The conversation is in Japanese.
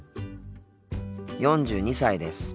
４２歳です。